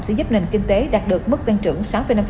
sẽ giúp nền kinh tế đạt được mức tăng trưởng